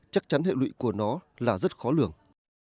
chắc chắn hệ lụy của nó là rất khó lường